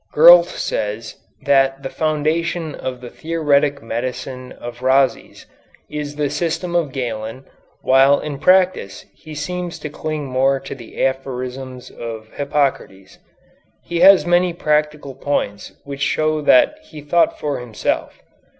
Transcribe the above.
Gurlt says that the foundation of the theoretic medicine of Rhazes is the system of Galen, while in practice he seems to cling more to the aphorisms of Hippocrates. He has many practical points which show that he thought for himself.